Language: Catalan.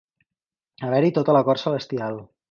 Haver-hi tota la cort celestial.